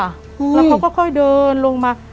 แล้วเขาก็ค่อยเดินลงมา